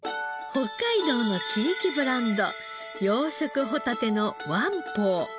北海道の地域ブランド養殖ホタテの湾宝。